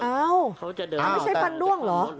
อ้าวนี่ไม่ใช่ฟันร่วงหรือ